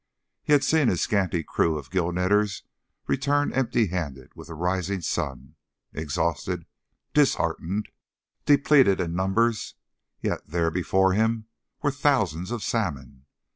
He had seen his scanty crew of gill netters return empty handed with the rising sun, exhausted, disheartened, depleted in numbers; yet there before him were thousands of salmon.